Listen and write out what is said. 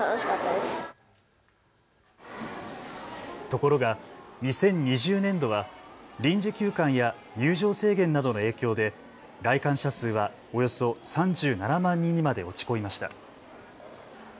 ところが２０２０年度は臨時休館や入場制限などの影響で来館者数はおよそ３７万人まで落ち込みました。